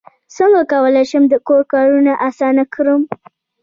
څنګه کولی شم د کور کارونه اسانه کړم